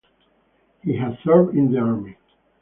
He has served in the army.